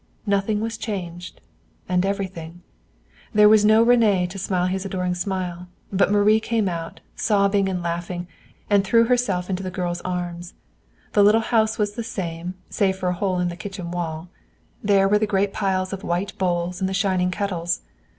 Nothing was changed and everything. There was no René to smile his adoring smile, but Marie came out, sobbing and laughing, and threw herself into the girl's arms. The little house was the same, save for a hole in the kitchen wall. There were the great piles of white bowls and the shining kettles.